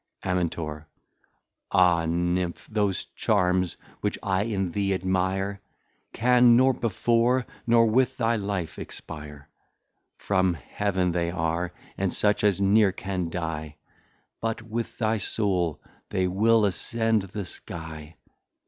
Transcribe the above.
Amin. Ah Nymph, those Charms which I in thee admire, Can, nor before, nor with thy Life expire. From Heaven they are, and such as ne're can dye, But with thy Soul they will ascend the Sky!